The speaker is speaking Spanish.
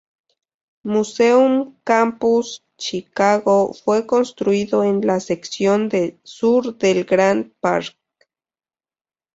Museum Campus Chicago fue construido en la sección sur del Grant Park.